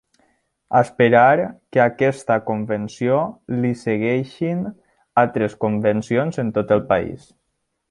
Esperar que a aquesta Convenció li segueixin altres convencions en tot el país.